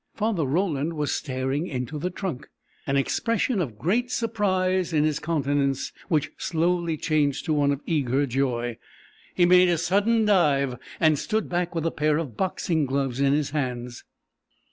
Father Roland was staring into the trunk, an expression of great surprise in his countenance which slowly changed to one of eager joy. He made a sudden dive, and stood back with a pair of boxing gloves in his hands.